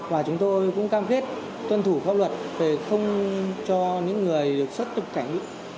và chúng tôi cũng cam kết tuân thủ pháp luật về không cho những người được xuất nhập cảnh